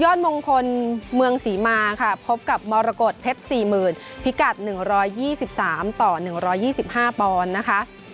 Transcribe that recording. มงคลเมืองศรีมาค่ะพบกับมรกฏเพชร๔๐๐๐พิกัด๑๒๓ต่อ๑๒๕ปอนด์นะคะ